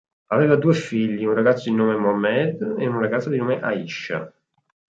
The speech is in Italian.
Aveva due figli, un ragazzo di nome Mohamed e una ragazza di nome Aisha.